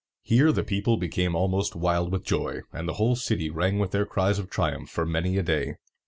Here the people became almost wild with joy, and the whole city rang with their cries of triumph for many a day.